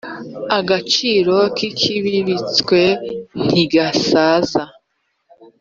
agaciro kikibibitswe ntigasaza.